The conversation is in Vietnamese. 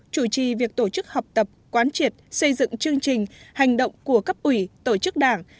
chủ trì việc tổ chức học tập quán triệt xây dựng chương trình hành động của cấp ủy tổ chức đảng